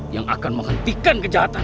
yang akan menghentikan kejahatan